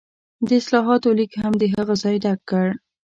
د اصلاحاتو لیګ هم د هغه ځای ډک کړ.